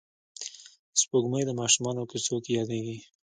سپوږمۍ د ماشومانو کیسو کې یادېږي